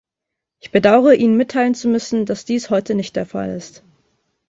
Ich bedauere Ihnen mitteilen zu müssen, dass dies heute nicht der Fall ist.